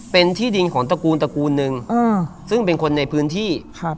เป็นที่ดินของตระกูลนึงซึ่งเป็นคนในพื้นที่